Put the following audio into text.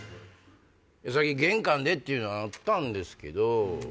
さっき玄関でっていうのあったんですけど。